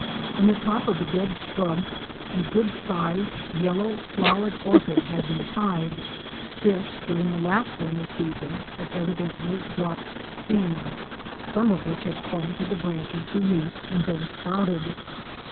In the top of a dead shrub a good sized yellow flowered orchid had been tied. This, during the last rainy season, had evidently dropped seeds, some of which had clung to the branches beneath and then sprouted.